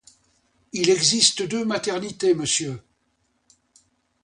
Il existe deux maternités, monsieur.